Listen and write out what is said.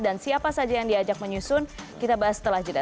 siapa saja yang diajak menyusun kita bahas setelah jeda